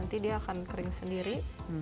nanti dia akan kering sendiri